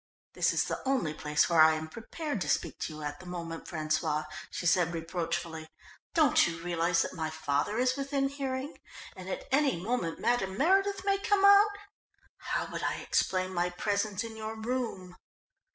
"This is the only place where I am prepared to speak to you at the moment, François," she said reproachfully. "Don't you realise that my father is within hearing, and at any moment Madame Meredith may come out? How would I explain my presence in your room?"